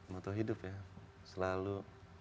moto hidup ya selalu